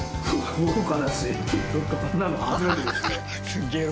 豪華だしちょっとこんなの初めてですね。